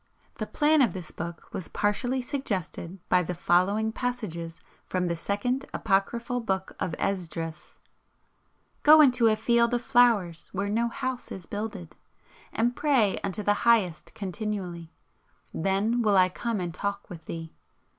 The plan of this book was partially suggested by the following passages from the Second Apocryphal Book of Esdras: "Go into a field of flowers where no house is builded. And pray unto the Highest continually, then will I come and talk with thee.